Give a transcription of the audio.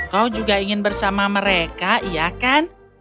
kau juga ingin bersama mereka iya kan